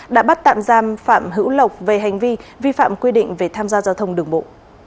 đã bắt tạm giam phạm hữu lộc về hành vi vi phạm quy định về tham gia giao thông đường bộ